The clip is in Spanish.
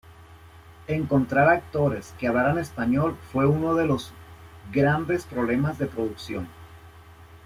Encontrar actores que hablaran español fue uno de los grandes problemas de producción.